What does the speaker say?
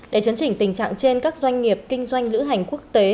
để chấn chỉnh tình trạng trên các doanh nghiệp kinh doanh lữ hành quốc tế